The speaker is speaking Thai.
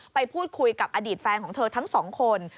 ไปพูดคุยกับอดีตแฟนของเธอทั้งสองคน